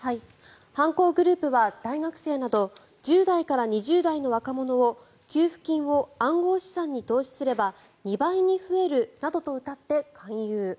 犯行グループは大学生など１０代から２０代の若者を給付金を暗号資産に投資すれば２倍に増えるなどとうたって勧誘。